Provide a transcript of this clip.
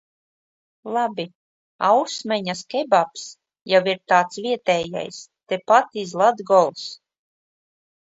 Labi, Ausmeņas kebabs jau ir tāds vietējais, tepat iz Latgols.